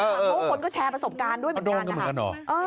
เพราะว่าคนก็แชร์ประสบการณ์ด้วยเหมือนกันนะคะ